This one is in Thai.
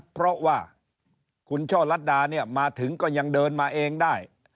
เพราะว่าคุณช่อลัดดาเนี่ยมาถึงก็ยังเดินมาเองได้